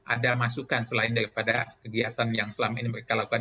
ada masukan selain daripada kegiatan yang selama ini mereka lakukan